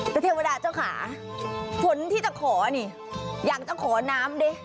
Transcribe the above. แต่เทวดาเจ้าขาฝนที่จะขอนี่อยากจะขอน้ำดิ